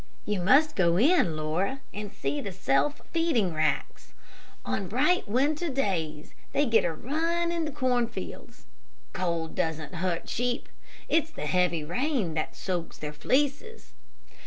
You must go in, Laura, and see the self feeding racks. On bright, winter days they get a run in the cornfields. Cold doesn't hurt sheep. It's the heavy rain that soaks their fleeces.